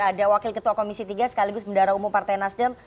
ada wakil ketua komisi tiga sekaligus bendara umum partai nasdem